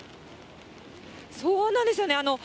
そうなんですよね。